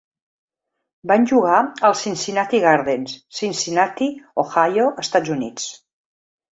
Van jugar als Cincinnati Gardens, Cincinnati, Ohio, Estats Units.